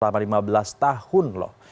selama lima belas tahun loh